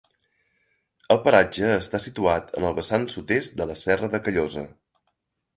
El paratge està situat en el vessant sud-est de la Serra de Callosa.